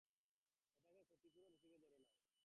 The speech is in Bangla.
এটাকে ক্ষতিপূরণ হিসেবে ধরে নাও।